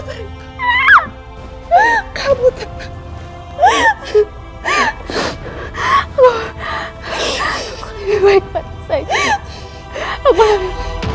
lion aufgori menjangkau